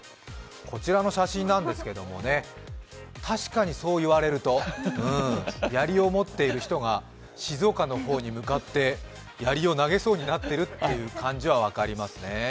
こちらの写真なんですけど、確かにそう言われるとやりを持っている人が静岡の方に向かってやりを投げそうになっているという感じは分かりますね。